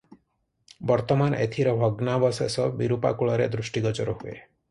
ବର୍ତ୍ତମାନ ଏଥିର ଭଗ୍ନାବଶେଷ ବିରୂପାକୂଳରେ ଦୃଷ୍ଟିଗୋଚର ହୁଏ ।